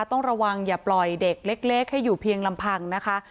ต้องระวังอย่าปล่อยเด็กเล็กให้อยู่เพียงลำพังนะคะ